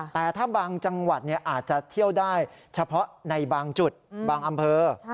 แต่ถ้าบางจังหวัดอาจจะเที่ยวได้เฉพาะในบางจุดบางอำเภอ